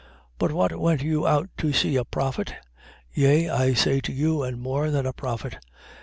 But what went you out to see? A prophet? Yea, I say to you, and more than a prophet.